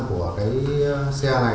của cái xe này